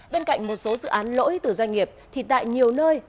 bên cạnh một số dự án lỗi từ doanh nghiệp thì tại nhiều nơi